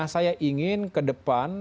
saya ingin ke depan